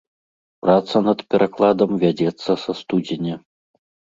Праца над перакладам вядзецца са студзеня.